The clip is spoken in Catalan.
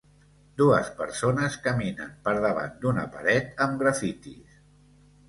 Dues persones caminen per davant d'una paret amb grafitis.